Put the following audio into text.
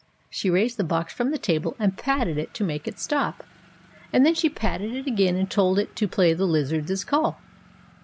She raised the box from the table and patted it to make it stop, and then she patted it again and told it to play the Lizard's Call.